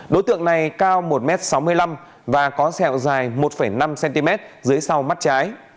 đối tượng này cao một m sáu mươi năm và có sẹo dài một năm cm dưới sau mắt trái